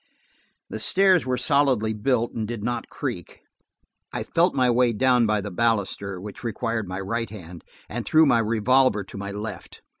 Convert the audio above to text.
The stairs were solidly built, and did not creak. I felt my way down by the baluster, which required my right hand, and threw my revolver to my left.